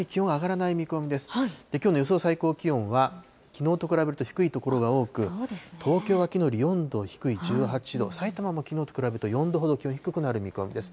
最高気温はきのうと比べると低い所が多く、東京はきのうより４度低い１８度、さいたまもきのうと比べて４度ほど気温低くなる見込みです。